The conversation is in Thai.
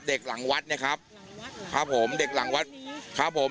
หลังวัดนะครับครับผมเด็กหลังวัดครับผม